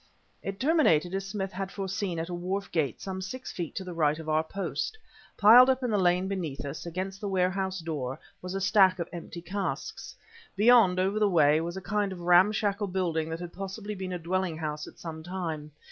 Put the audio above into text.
It terminated as Smith had foreseen at a wharf gate some six feet to the right of our post. Piled up in the lane beneath us, against the warehouse door, was a stack of empty casks. Beyond, over the way, was a kind of ramshackle building that had possibly been a dwelling house at some time.